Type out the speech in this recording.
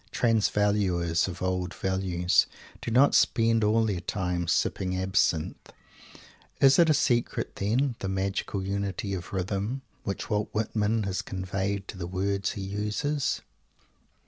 Transvaluers of old values do not spend all their time sipping absinthe. Is it a secret still, then, the magical unity of rhythm, which Walt Whitman has conveyed to the words he uses?